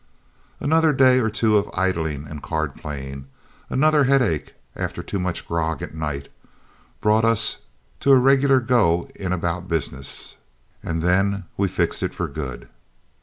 Another day or two idling and card playing, another headache after too much grog at night, brought us to a regular go in about business, and then we fixed it for good.